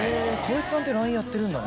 光一さんってＬＩＮＥやってるんだ。